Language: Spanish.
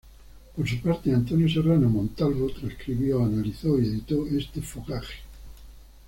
Por su parte, Antonio Serrano Montalvo transcribió, analizó y editó este fogaje.